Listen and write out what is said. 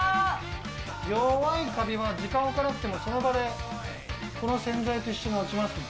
弱いかびは時間を置かなくても、その場でこの洗剤と一緒に落ちますね。